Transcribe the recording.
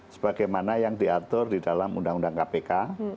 sebagaimana yang diatur di dalam undang undang kpk